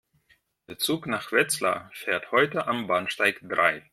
Der Zug nach Wetzlar fährt heute am Bahnsteig drei